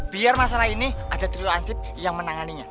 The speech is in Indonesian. biar masalah ini ada trilo hansip yang menanganinya